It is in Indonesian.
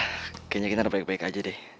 kayaknya kita ada baik baik aja deh